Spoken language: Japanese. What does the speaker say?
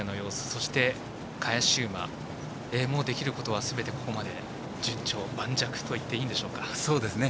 そして、返し馬できることはすべてここまで順調、盤石と言っていいでしょうか。